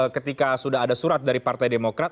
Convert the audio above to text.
ketika sudah ada surat dari partai demokrat